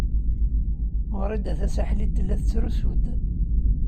Wrida Tasaḥlit tella tettrusu-d.